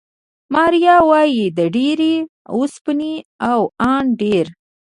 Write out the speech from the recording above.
ماریا وايي، د ډېرې اوسپنې او ان ډېر